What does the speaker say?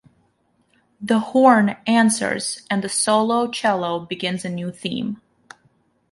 The horn answers and the solo cello begins a new theme.